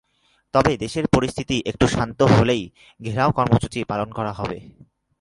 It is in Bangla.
তবে দেশের পরিস্থিতি একটু শান্ত হলেই ঘেরাও কর্মসূচি পালন করা হবে।